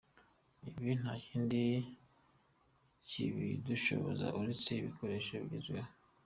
Ibi nta kindi kibidushoboza uretse ibikoresho bigezweho.